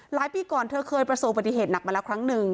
ปีก่อนเธอเคยประสบปฏิเหตุหนักมาแล้วครั้งหนึ่ง